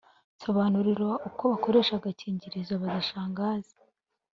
Nsobanurira Uko Bakoresha Agakingirizo-Baza Shangazi